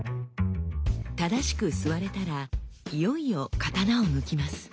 正しく座れたらいよいよ刀を抜きます。